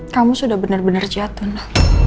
kamu sudah benar benar jatuh lah